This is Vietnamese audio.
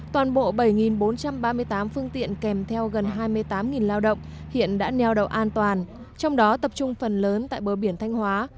toàn bộ bảy bốn trăm ba mươi tám phương tiện kèm theo gần hai mươi tám lao động hiện đã neo đậu an toàn trong đó tập trung phần lớn tại bờ biển thanh hóa